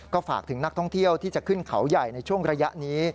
ก็ฝากถึงนักท่องเที่ยวที่จะขึ้นเขาใหญ่ในช่วงระยะนี้